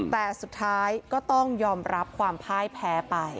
แต่สุดท้ายก็ต้องยอมรับความพ่ายแพ้ไป